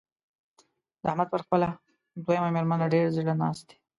د احمد پر خپله دويمه مېرمنه ډېر زړه ناست دی.